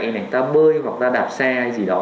hay là người ta bơi hoặc là đạp xe hay gì đó